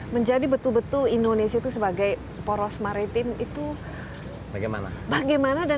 menjadi betul betul indonesia itu sebagai poros maritim itu bagaimana dan